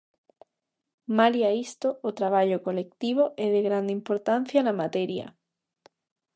Malia a isto, o traballo colectivo é de grande importancia na materia.